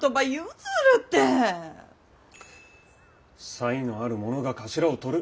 才のある者が頭をとる。